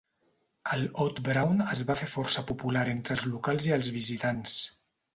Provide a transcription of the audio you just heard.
El Ot Braun es va fer força popular entre els locals i els visitants.